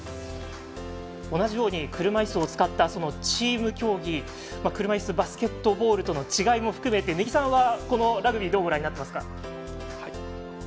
同じように車いすを使った車いすバスケットボールとの違いも含めて根木さんはこのラグビーをどうご覧になってますか？